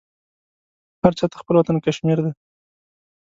هر چا ته خپل وطن کشمیر دی.